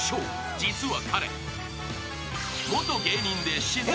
実は彼］